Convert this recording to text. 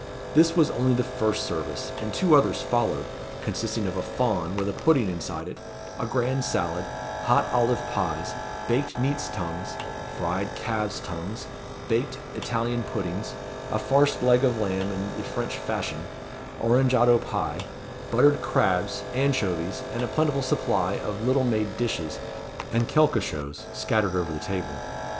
This was only the first service; and two others followed, consisting of a fawn, with a pudding inside it, a grand salad, hot olive pies, baked neats' tongues, fried calves' tongues, baked Italian puddings, a farced leg of lamb in the French fashion, orangeado pie, buttered crabs, anchovies, and a plentiful supply of little made dishes, and quelquechoses, scattered over the table.